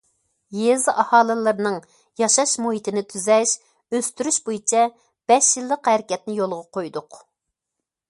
يېزا ئاھالىلىرىنىڭ ياشاش مۇھىتىنى تۈزەش، ئۆستۈرۈش بويىچە بەش يىللىق ھەرىكەتنى يولغا قويدۇق.